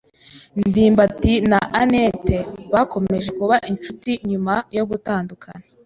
ndimbati na anet bakomeje kuba inshuti nyuma yo gutandukana.